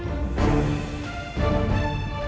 aku enggelam juga